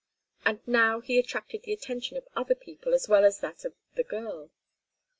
And now he attracted the attention of other people as well as that of the girl.